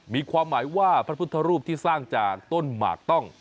มีความหมายว่าพระพุทธรูปที่สร้างจากต้นหมากต้อง